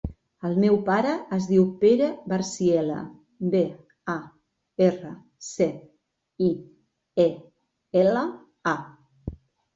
El meu pare es diu Pere Barciela: be, a, erra, ce, i, e, ela, a.